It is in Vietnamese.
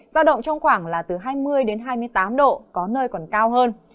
giả động trong khoảng là từ hai mươi đến hai mươi tám độ có nơi còn cao hơn